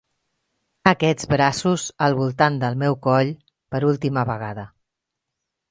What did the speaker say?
Aquests braços al voltant del meu coll per última vegada!